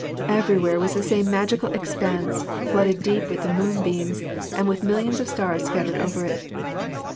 Everywhere was the same magical expanse, flooded deep with the moonbeams, and with millions of stars scattered over it.